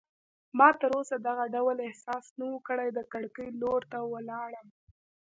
ما تراوسه دغه ډول احساس نه و کړی، د کړکۍ لور ته ولاړم.